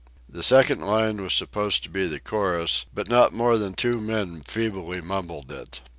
The second line was supposed to be the chorus, but not more than two men feebly mumbled it.